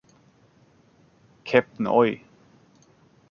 Captain Oi!